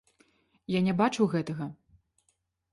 Я не бачыў гэтага.